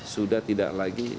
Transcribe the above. sudah tidak lagi diperoleh